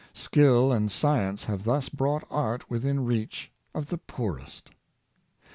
Skill and science have thus brought art within reach of the poorest.